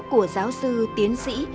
của giáo sư tiến sĩ